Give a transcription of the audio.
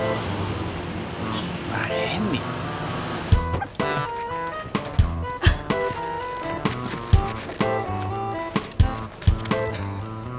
om ayang gini aku mau berbual dengan pak rendy